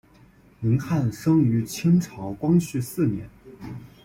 林翰生于清朝光绪四年。